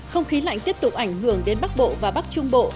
không khí lạnh tiếp tục ảnh hưởng đến bắc bộ và bắc trung bộ